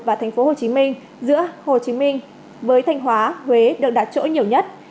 và thành phố hồ chí minh giữa hồ chí minh với thanh hóa huế được đặt chỗ nhiều nhất